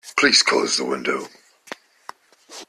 Please close the window.